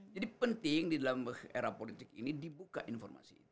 jadi penting di dalam era politik ini dibuka informasi